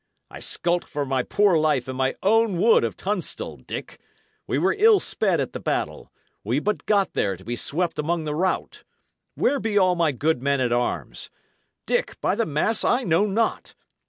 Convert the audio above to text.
I skulked for my poor life in my own wood of Tunstall, Dick. We were ill sped at the battle; we but got there to be swept among the rout. Where be all my good men at arms? Dick, by the mass, I know not!